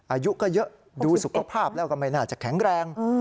อายุก็เยอะดูสุขภาพแล้วก็ไม่น่าจะแข็งแรง